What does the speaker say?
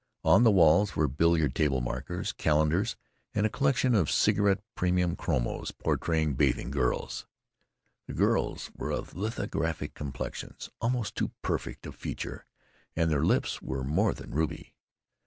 On the walls were billiard table makers' calendars and a collection of cigarette premium chromos portraying bathing girls. The girls were of lithographic complexions, almost too perfect of feature, and their lips were more than ruby.